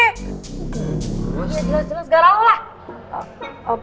jelas jelas gak lah